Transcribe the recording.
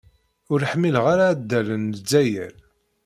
Ur ḥmileɣ ara addal n lezzayer.